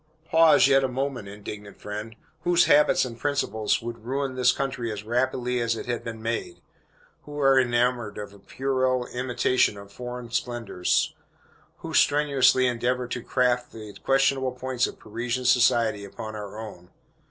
Pause yet a moment, indignant friend. Whose habits and principles would ruin this country as rapidly as it has been made? Who are enamored of a puerile imitation of foreign splendors? Who strenuously endeavor to graft the questionable points of Parisian society upon our own?